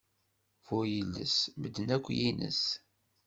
Bu yiles, medden akk yines.